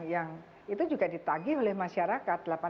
yang itu juga ditagih oleh masyarakat